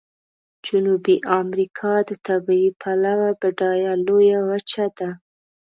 جنوبي امریکا د طبیعي پلوه بډایه لویه وچه ده.